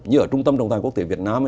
như ở trung tâm trọng tài quốc tế việt nam